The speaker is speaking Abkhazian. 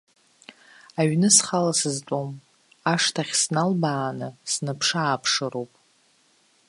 Аҩны схала сызтәом, ашҭахь сналбааны снаԥшы-ааԥшыроуп.